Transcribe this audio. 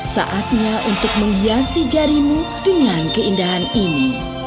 saatnya untuk menghiasi jarimu dengan keindahan ini